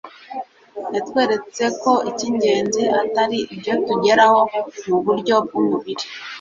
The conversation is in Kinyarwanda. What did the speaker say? yatweretse ko icy'ingenzi atari ibyo tugeraho mu buryo bw'umubiri